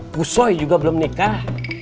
pusoy juga belum nikah